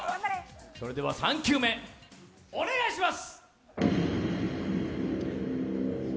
それでは３球目、お願いします！